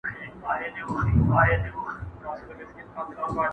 • زما څه ليري له ما پاته سول خواږه ملګري..